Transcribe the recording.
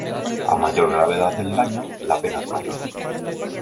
A mayor gravedad del daño la pena es mayor.